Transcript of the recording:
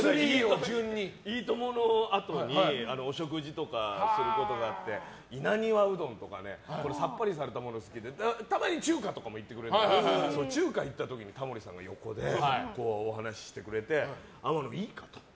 「いいとも！」のあとにお食事とかすることがあって稲庭うどんとかねさっぱりされたものが好きでたまに中華とかも行ってくれるんだけど中華行った時に、タモリさんが横でお話ししてくれて天野君、いいかと。